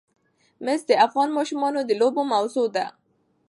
مس د افغان ماشومانو د لوبو موضوع ده.